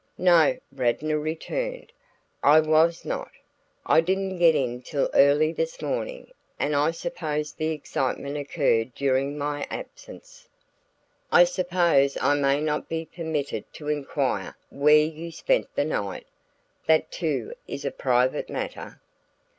"No," Radnor returned, "I was not. I didn't get in till early this morning and I suppose the excitement occurred during my absence." "I suppose I may not be permitted to inquire where you spent the night that too is a private matter?"